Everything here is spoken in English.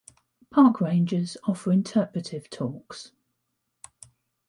Park rangers offer interpretive talks.